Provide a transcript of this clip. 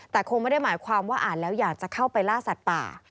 แต่คงไม่ได้หมายความว่าอ่านแล้วอยากจะเข้าไปล่าสัตว์ป่า